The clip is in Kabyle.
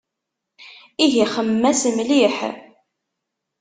Ihi xemmem-as mliḥ.